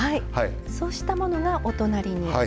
そうしたものがお隣に。